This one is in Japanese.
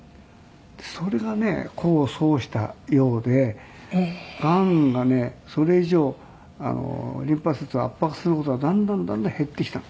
それがね功を奏したようでがんがねそれ以上リンパ節を圧迫する事がだんだんだんだん減ってきたの。